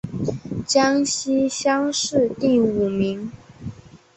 江西乡试第五名。